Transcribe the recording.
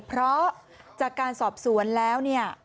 เพราะจากการสอบสวนแล้ว